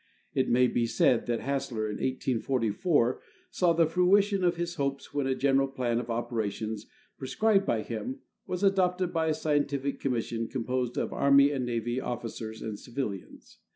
It may be said that Hassler, in 1844, saw the fruition of his hopes when a general plan of operations prescribed by him was adopted by a scientific commission composed of Army and Navy officers and civilians.